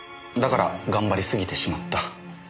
だから頑張りすぎてしまった。